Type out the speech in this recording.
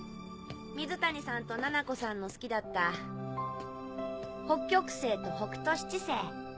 水谷さんとななこさんの好きだった北極星と北斗七星。